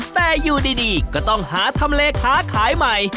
แต่อยู่ดีก็ต้องหาทำเลค้าขายใหม่